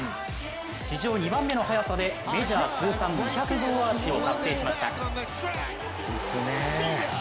史上２番目の早さでメジャー通算２００号アーチを達成しました。